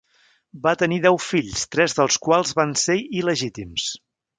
Va tenir deu fills, tres dels quals van ser il·legítims.